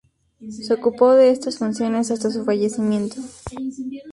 Se ocupó de estas funciones hasta su fallecimiento.